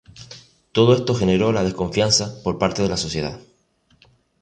Todo esto generó la desconfianza por parte de la sociedad.